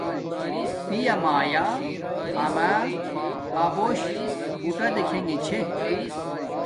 پیا مایا اما ابوش بوٹا دیکھےگے چھے